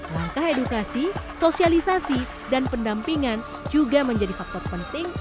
langkah edukasi sosialisasi dan pendampingan juga menjadi faktor penting